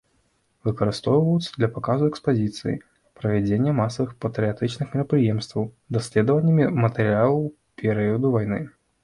Выкарыстоўваюцца для паказу экспазіцыі, правядзення масавых патрыятычных мерапрыемстваў, даследавання матэрыялаў перыяду вайны.